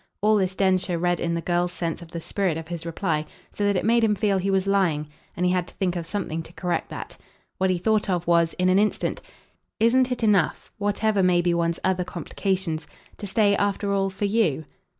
All this Densher read in the girl's sense of the spirit of his reply; so that it made him feel he was lying, and he had to think of something to correct that. What he thought of was, in an instant, "Isn't it enough, whatever may be one's other complications, to stay after all for YOU?"